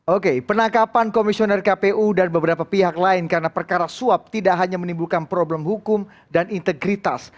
oke penangkapan komisioner kpu dan beberapa pihak lain karena perkara suap tidak hanya menimbulkan problem hukum dan integritas